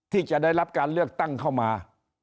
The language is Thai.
ที่จะได้รับการเลือกตั้งเข้ามา